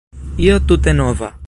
Io tute nova.